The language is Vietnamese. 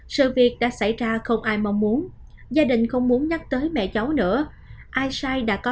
sự việc đã xảy ra không ai mong muốn gia đình không muốn nhắc tới mẹ cháu nữa ai sai đã có